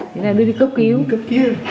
thế này đưa đi cấp cứu